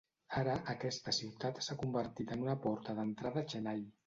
Ara, aquesta ciutat s'ha convertit en una porta d'entrada a Chennai.